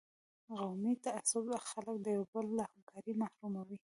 قومي تعصب خلک د یو بل له همکارۍ محروموي.